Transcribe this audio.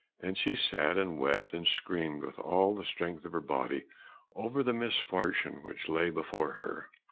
Then she sat and wept and screamed with all the strength of her body, over the misfortune which lay before her.